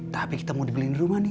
tapi kita mau dibeliin rumah nih